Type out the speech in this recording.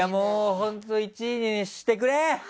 本当１位にしてくれ！